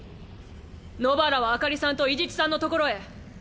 野薔薇は明さんと伊地知さんのところへ！